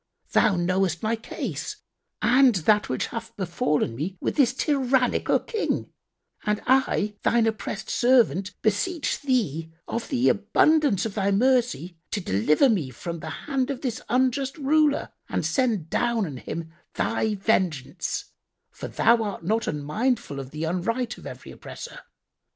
Thou knowest my case and that which hath befallen me with this tyrannical King, and I, Thine oppressed servant, beseech Thee, of the abundance of Thy mercy, to deliver me from the hand of this unjust ruler and send down on him Thy vengeance; for Thou art not unmindful of the unright of every oppressor.